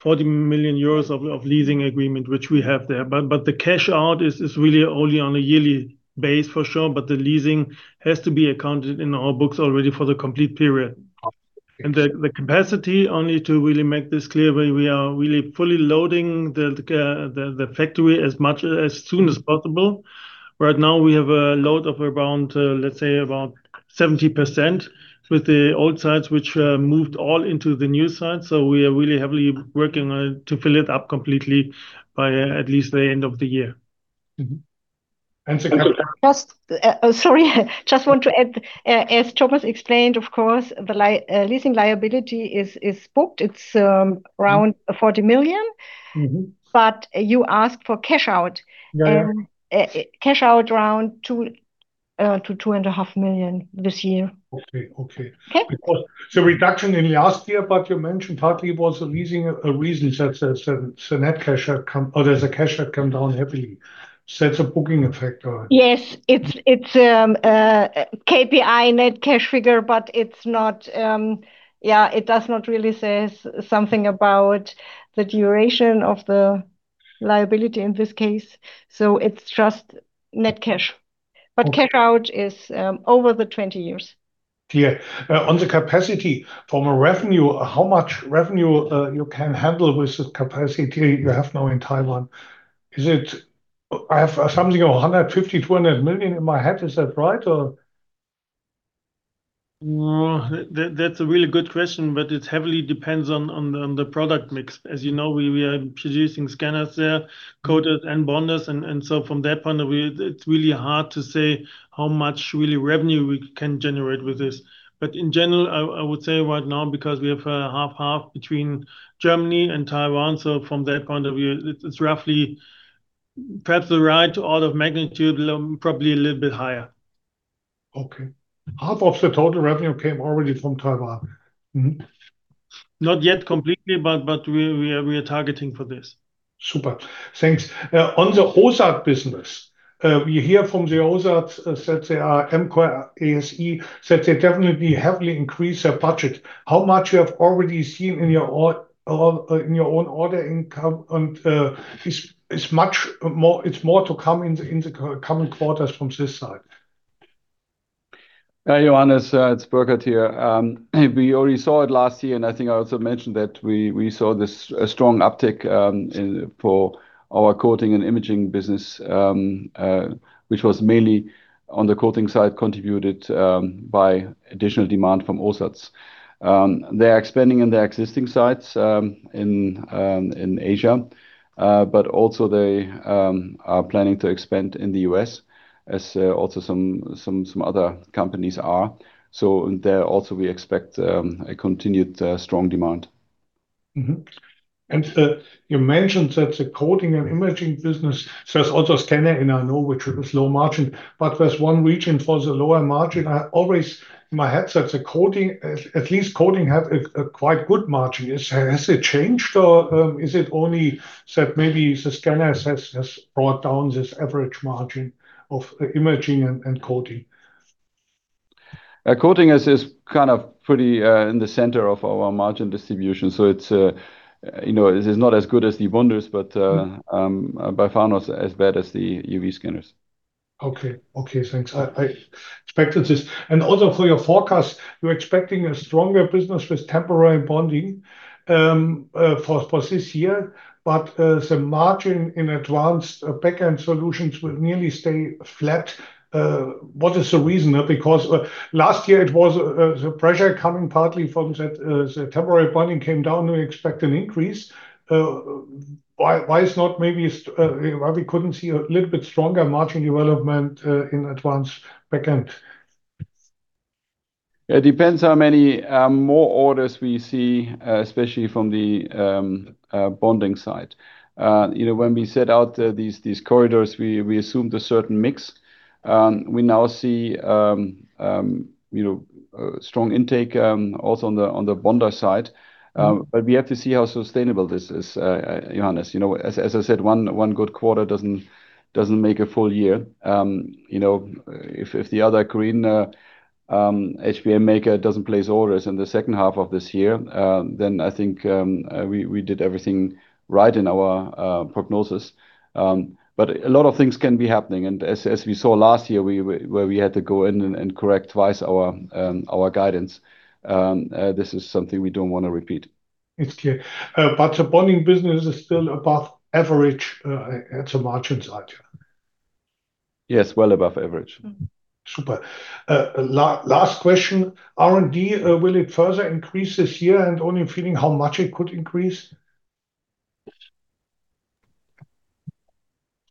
40 million euros of leasing agreement which we have there. The cash out is really only on a yearly basis for sure, but the leasing has to be accounted in our books already for the complete period. The capacity, only to really make this clear, we are really fully loading the factory as much as soon as possible. Right now we have a load of around, let's say around 70% with the old sites which moved all into the new site. We are really heavily working on to fill it up completely by at least the end of the year. Just sorry, just want to add, as Thomas explained, of course, the leasing liability is booked. It's around 40 million. You asked for cash out. Cash out around 2 million-2.5 million this year. Okay. Okay? Because the reduction in last year, but you mentioned partly was a leasing, so it's a net cash outcome, or there's a cash outcome down heavily. It's a booking effect or? Yes. It's KPI net cash figure, but it's not. Yeah, it does not really say something about the duration of the liability in this case, so it's just net cash. Okay. Cash out is over the 20 years. Yeah. On the capacity from a revenue perspective, how much revenue you can handle with the capacity you have now in Taiwan? Is it? I have something of 150 million, 200 million in my head. Is that right or? No. That's a really good question, but it heavily depends on the product mix. As you know, we are producing scanners there, coaters and bonders, and so from that point of view, it's really hard to say how much really revenue we can generate with this. In general, I would say right now, because we have half between Germany and Taiwan, so from that point of view it's roughly perhaps the right order of magnitude, probably a little bit higher. Okay. Half of the total revenue came already from Taiwan. Not yet completely, but we are targeting for this. Super. Thanks. On the OSAT business, we hear from the OSAT that they are Amkor, ASE, that they definitely heavily increase their budget. How much have you already seen in your own order intake and is much more to come in the coming quarters from this side? Johannes, it's Burkhardt here. We already saw it last year, and I think I also mentioned that we saw this, a strong uptick in our coating and imaging business, which was mainly on the coating side contributed by additional demand from OSATs. They are expanding in their existing sites in Asia. But also they are planning to expand in the U.S. as also some other companies are. There also we expect a continued strong demand. You mentioned that the coating and imaging business so it's also standard, and I know which is low margin, but there's one reason for the lower margin. I always in my head say the coating, at least coating have a quite good margin. Has it changed, or is it only that maybe the scanners has brought down this average margin of imaging and coating? Coating is kind of pretty in the center of our margin distribution, so it's, you know, it is not as good as the bonders, but by far not as bad as the UV scanners. Okay, thanks. I expected this. Also, for your forecast, you're expecting a stronger business with temporary bonding for this year, but the margin in Advanced Backend Solutions will merely stay flat. What is the reason? Because last year, it was the pressure coming partly from that the temporary bonding came down, we expect an increase. Why couldn't we see a little bit stronger margin development in Advanced Backend? It depends how many more orders we see, especially from the bonding side. You know, when we set out these corridors we assumed a certain mix. We now see you know strong intake also on the bonder side. But we have to see how sustainable this is, Johannes. You know, as I said, one good quarter doesn't make a full year. You know, if the other Korean HBM maker doesn't place orders in the second half of this year, then I think we did everything right in our prognosis. A lot of things can be happening, and as we saw last year where we had to go in and correct twice our guidance, this is something we don't want to repeat. It's clear. The bonding business is still above average, at the margin side. Yes, well above average. Super. Last question. R&D, will it further increase this year? Only a feeling how much it could increase.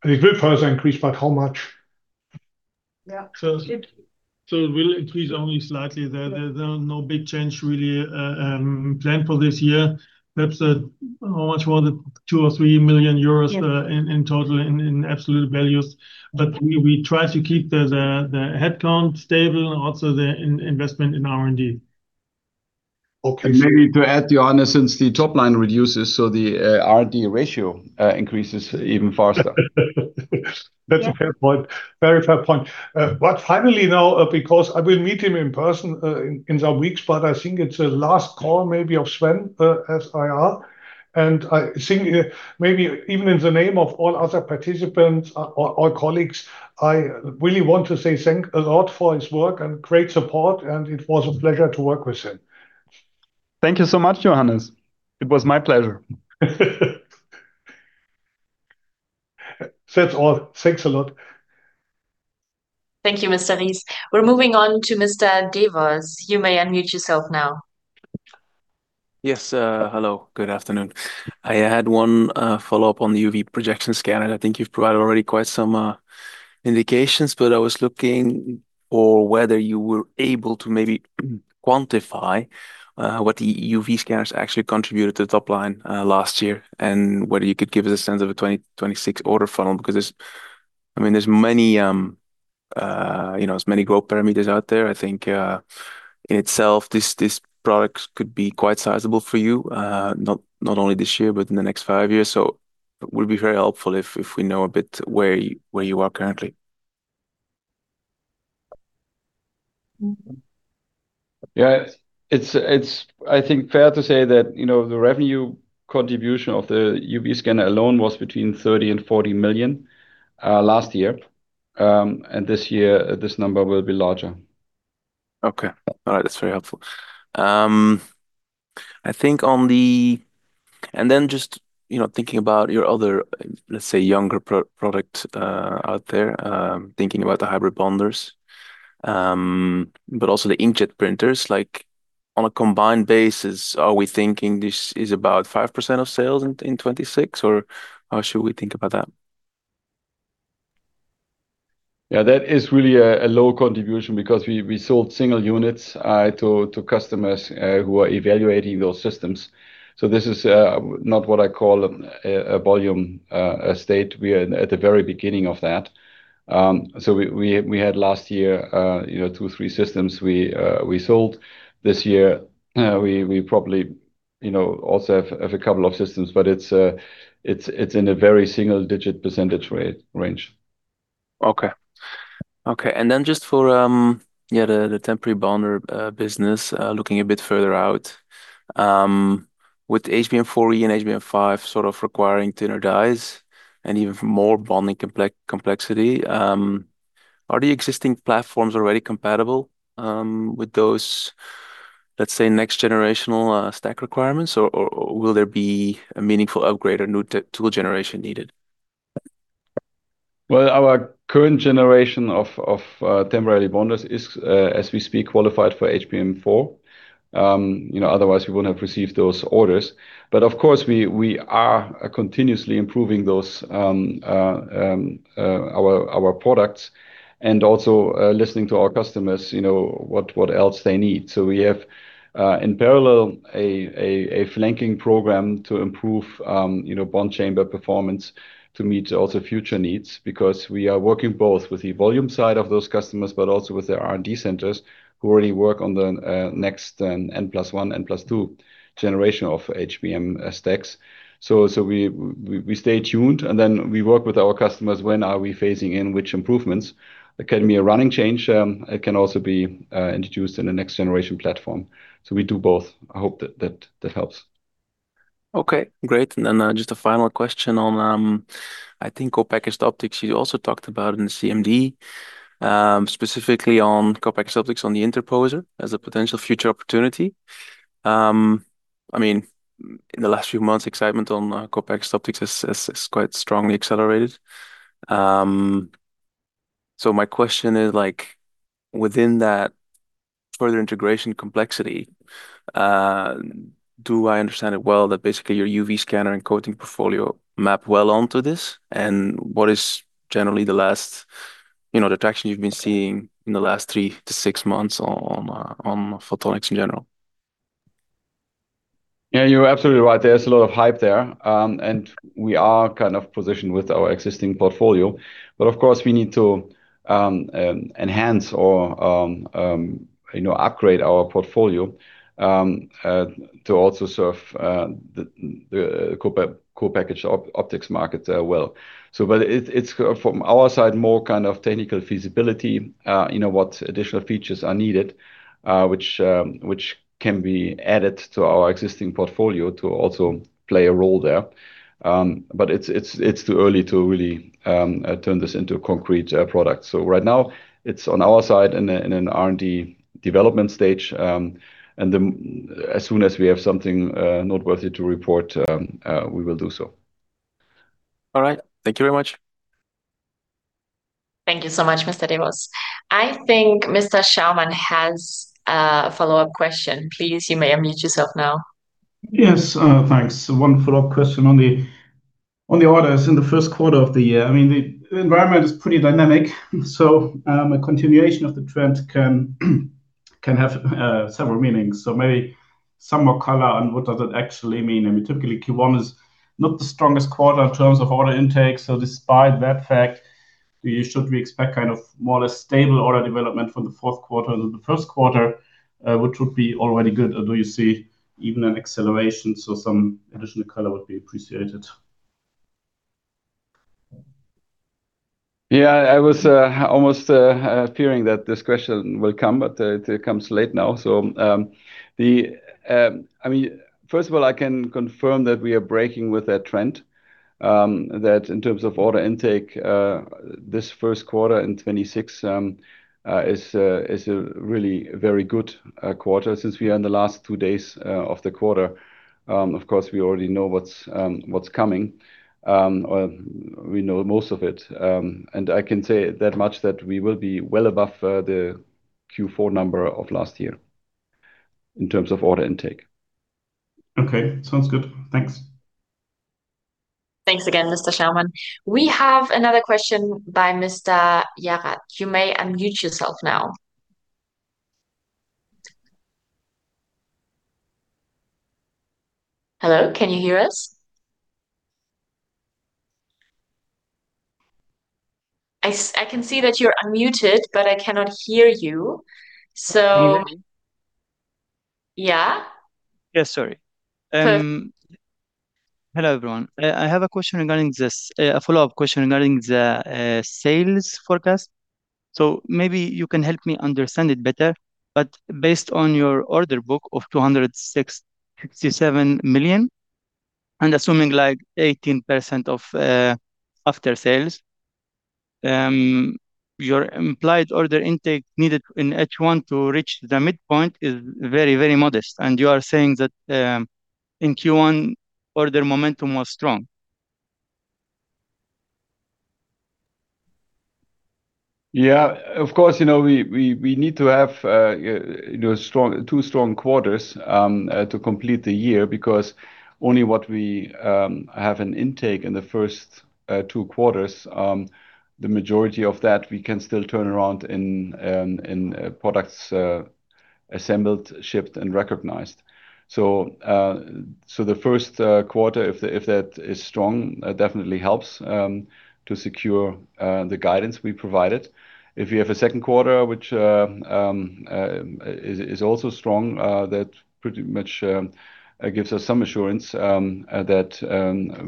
It will further increase, but how much? Yeah. So it's- It will increase only slightly. There are no big change really planned for this year. Perhaps how much more than 2 million or 3 million euros in total, in absolute values, but we try to keep the headcount stable, also the investment in R&D. Maybe to add, Johannes, since the top line reduces, so the R&D ratio increases even faster. That's a fair point. Very fair point. Finally now, because I will meet him in person in some weeks, but I think it's the last call maybe of Sven as IR. I think maybe even in the name of all other participants or colleagues, I really want to say thanks a lot for his work and great support, and it was a pleasure to work with him. Thank you so much, Johannes. It was my pleasure. That's all. Thanks a lot. Thank you, Mr. Ries. We're moving on to Mr. De Vos. You may unmute yourself now. Yes. Hello, good afternoon. I had one follow-up on the UV projection scanner. I think you've provided already quite some indications, but I was looking for whether you were able to maybe quantify what the UV Scanners actually contributed to the top line last year and whether you could give us a sense of a 2026 order funnel. Because I mean, you know, there's many growth parameters out there. I think in itself, this product could be quite sizable for you. Not only this year, but in the next five years. So it would be very helpful if we know a bit where you are currently. Yeah. It's, I think, fair to say that, you know, the revenue contribution of the UV scanner alone was between 30 million and 40 million last year. This year, this number will be larger. Okay. All right. That's very helpful. I think, just, you know, thinking about your other, let's say, younger product out there. Thinking about the hybrid bonders, but also the inkjet printers. Like, on a combined basis, are we thinking this is about 5% of sales in 2026, or how should we think about that? Yeah. That is really a low contribution because we sold single units to customers who are evaluating those systems. This is not what I call a volume state. We are at the very beginning of that. We had last year, you know, two, three systems we sold. This year, we probably, you know, also have a couple of systems, but it's in a very single-digit percentage range. Just for the temporary bonder business, looking a bit further out. With HBM4 and HBM5 sort of requiring thinner dies and even more bonding complexity, are the existing platforms already compatible with those, let's say, next generational stack requirements, or will there be a meaningful upgrade or new tool generation needed? Well, our current generation of temporary bonders is, as we speak, qualified for HBM4. You know, otherwise we wouldn't have received those orders. Of course, we are continuously improving those, our products and also listening to our customers, you know, what else they need. We have, in parallel, a flanking program to improve, you know, bond chamber performance to meet also future needs, because we are working both with the volume side of those customers, but also with their R&D centers who already work on the next N+1, N+2 generation of HBM stacks. We stay tuned, and then we work with our customers when are we phasing in which improvements. It can be a running change, it can also be introduced in the next generation platform. So we do both. I hope that helps. Okay, great. Just a final question on, I think co-packaged optics you also talked about in the CMD, specifically on co-packaged optics on the interposer as a potential future opportunity. I mean, in the last few months, excitement on co-packaged optics has quite strongly accelerated. My question is like, within that further integration complexity, do I understand it well that basically your UV scanner and coating portfolio map well onto this? And what is generally the latest, you know, the traction you've been seeing in the last three to six months on photonics in general? Yeah, you're absolutely right. There's a lot of hype there. We are kind of positioned with our existing portfolio. Of course, we need to enhance or you know upgrade our portfolio to also serve the co-packaged optics market well. It's from our side more kind of technical feasibility you know what additional features are needed which can be added to our existing portfolio to also play a role there. It's too early to really turn this into a concrete product. Right now it's on our side in an R&D development stage. As soon as we have something noteworthy to report we will do so. All right. Thank you very much. Thank you so much, Mr. De Vos. I think Mr. Schaumann has a follow-up question. Please, you may unmute yourself now. Yes. Thanks. One follow-up question on the orders in the first quarter of the year. I mean, the environment is pretty dynamic, a continuation of the trend can have several meanings. Maybe some more color on what does it actually mean. I mean, typically Q1 is not the strongest quarter in terms of order intake. Despite that fact Should we expect kind of more or less stable order development from the fourth quarter to the first quarter, which would be already good, or do you see even an acceleration, so some additional color would be appreciated. Yeah. I was almost fearing that this question will come, but it comes late now. I mean, first of all, I can confirm that we are breaking with that trend, that in terms of order intake, this first quarter in 2026 is a really very good quarter since we are in the last two days of the quarter. Of course, we already know what's coming, or we know most of it. I can say that much that we will be well above the Q4 number of last year in terms of order intake. Okay. Sounds good. Thanks. Thanks again, Mr. Schaumann. We have another question by Mr. Yarad. You may unmute yourself now. Hello, can you hear us? I can see that you're unmuted, but I cannot hear you, so- Can you hear me? Yeah. Yeah, sorry. Perfect. Hello, everyone. I have a question regarding this. A follow-up question regarding the sales forecast. Maybe you can help me understand it better. Based on your order book of 267 million, and assuming like 18% of after-sales, your implied order intake needed in H1 to reach the midpoint is very, very modest. You are saying that in Q1, order momentum was strong. Yeah. Of course, you know, we need to have two strong quarters to complete the year because only what we have an intake in the first two quarters, the majority of that we can still turn around in products assembled, shipped, and recognized. The first quarter, if that is strong, definitely helps to secure the guidance we provided. If you have a second quarter, which is also strong, that pretty much gives us some assurance that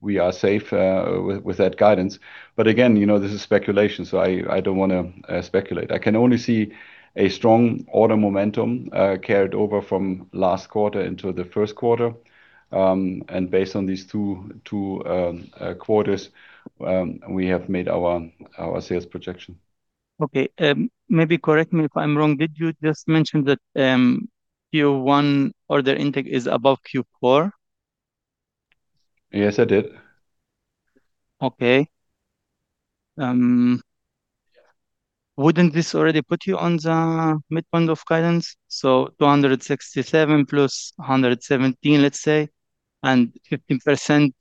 we are safe with that guidance. Again, you know, this is speculation, so I don't wanna speculate. I can only see a strong order momentum carried over from last quarter into the first quarter. Based on these two quarters, we have made our sales projection. Okay. Maybe correct me if I'm wrong. Did you just mention that Q1 order intake is above Q4? Yes, I did. Okay. Wouldn't this already put you on the midpoint of guidance? 267 million plus 117 million, let's say, and 15%,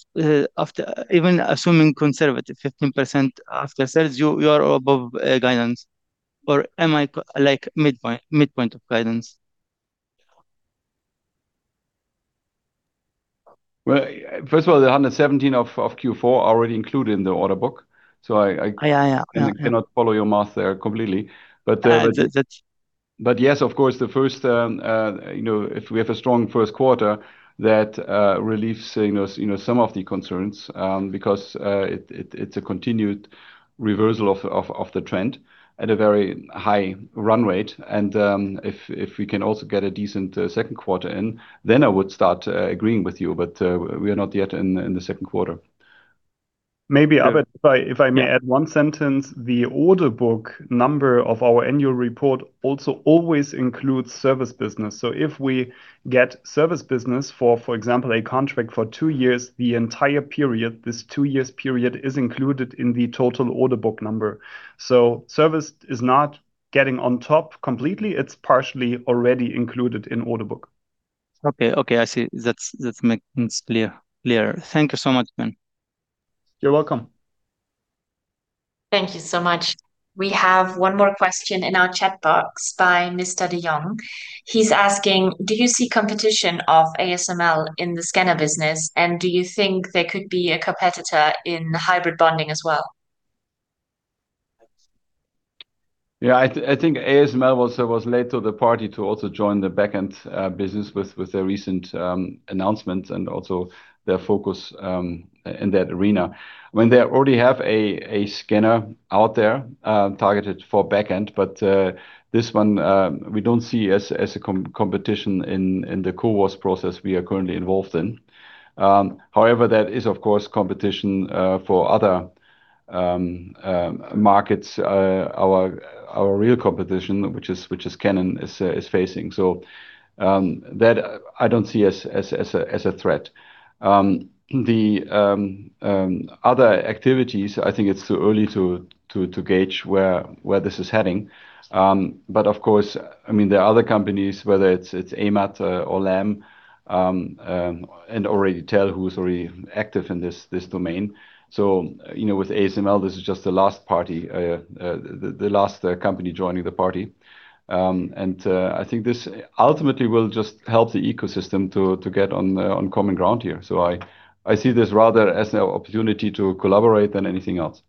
even assuming conservative 15% after sales, you are above guidance. Or am I, like, midpoint of guidance? Well, first of all, the 117 million of Q4 are already included in the order book. So I Yeah. I cannot follow your math there completely. Yes, of course, the first you know if we have a strong first quarter, that relieves you know some of the concerns because it's a continued reversal of the trend at a very high run rate. If we can also get a decent second quarter in, then I would start agreeing with you. We are not yet in the second quarter. Maybe, Albert If I may add one sentence. The order book number of our annual report also always includes service business. If we get service business for example, a contract for two years, the entire period, this two years period, is included in the total order book number. Service is not getting on top completely, it's partially already included in order book. Okay. I see. That makes things clearer. Thank you so much. You're welcome. Thank you so much. We have one more question in our chat box by Mr. De Jong. He's asking, "Do you see competition of ASML in the scanner business, and do you think there could be a competitor in hybrid bonding as well? Yeah. I think ASML was late to the party to also join the backend business with their recent announcement and also their focus in that arena. I mean, they already have a scanner out there targeted for backend, but this one we don't see as a competition in the CoWoS process we are currently involved in. However, that is, of course, competition for other markets our real competition, which is Canon, is facing. That I don't see as a threat. Other activities, I think it's too early to gauge where this is heading. Of course, I mean, there are other companies, whether it's AMAT or Lam, and already TEL who's already active in this domain. You know, with ASML, this is just the last party, the last company joining the party. I think this ultimately will just help the ecosystem to get on common ground here. I see this rather as an opportunity to collaborate than anything else.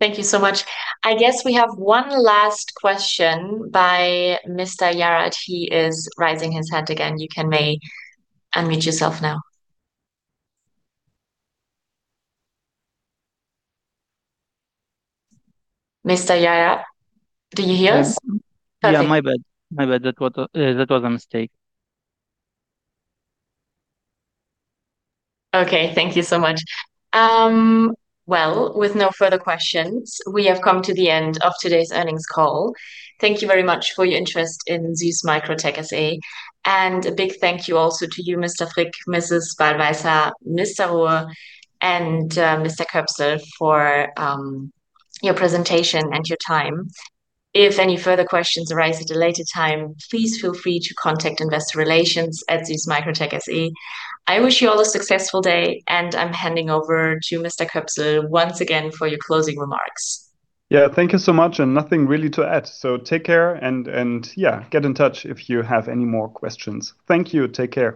Thank you so much. I guess we have one last question by Mr. Yarad. He is raising his hand again. You may unmute yourself now. Mr. Yarad, do you hear us? Yeah. Perfect. Yeah, my bad. That was a mistake. Okay. Thank you so much. Well, with no further questions, we have come to the end of today's earnings call. Thank you very much for your interest in SÜSS MicroTec SE. A big thank you also to you, Mr. Frick, Mrs. Ballwießer, Mr. Rohe, and Mr. Köpsel for your presentation and your time. If any further questions arise at a later time, please feel free to contact Investor Relations at SÜSS MicroTec SE. I wish you all a successful day, and I'm handing over to Mr. Köpsel once again for your closing remarks. Yeah. Thank you so much, and nothing really to add. Take care, and yeah, get in touch if you have any more questions. Thank you. Take care.